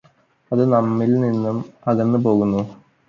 അത് നമ്മിൽ നിന്നും അകന്നു പോകുന്നു